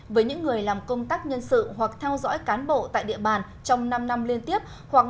với những người làm công tác nhân sự hoặc theo dõi cán bộ tại địa bàn trong năm năm liên tiếp